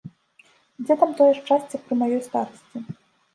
Дзе там тое шчасце пры маёй старасці?